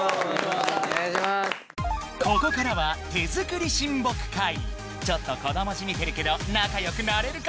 ここからはちょっと子供じみてるけど仲良くなれるか？